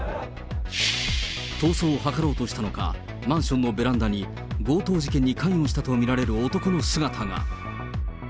逃走を図ろうとしたのか、マンションのベランダに強盗事件に関与したと見られる男の姿が。